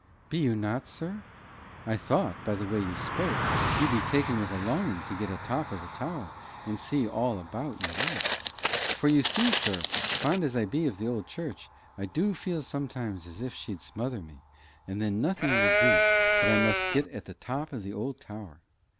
"Be you not, sir? I thought, by the way you spoke, you be taken with a longing to get a top o' the tower, and see all about you like. For you see, sir, fond as I be of the old church, I du feel sometimes as if she'd smother me; and then nothing will do but I must get at the top of the old tower.